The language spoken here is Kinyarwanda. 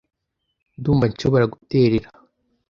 Ndumva nshobora guterera.